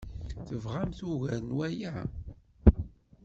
Tebɣamt ugar n waya?